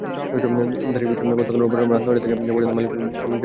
দাবির বিষয়ে গতকাল রোববার রাত নয়টা পর্যন্ত মালিকপক্ষের সঙ্গে শ্রমিকদের বৈঠক হয়।